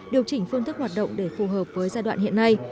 điều chỉnh phương thức hoạt động để phù hợp với giai đoạn hiện nay